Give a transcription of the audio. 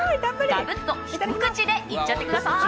ガブッとひと口でいっちゃってください！